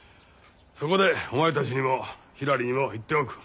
そこでお前たちにもひらりにも言っておく。